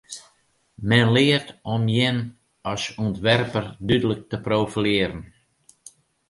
Men leart om jin as ûntwerper dúdlik te profilearjen.